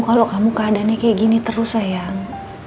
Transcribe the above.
kalau kamu keadaannya kayak gini terus sayang